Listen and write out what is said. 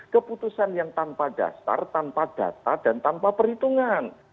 keputusan yang tanpa dasar tanpa data dan tanpa perhitungan